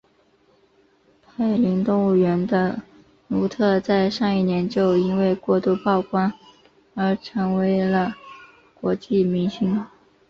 柏林动物园的努特在上一年就因为过度曝光而成为了国际明星。